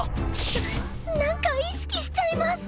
ななんか意識しちゃいます！